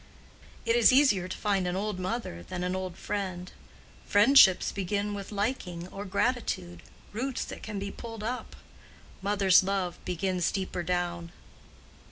"It is easier to find an old mother than an old friend. Friendships begin with liking or gratitude—roots that can be pulled up. Mother's love begins deeper down."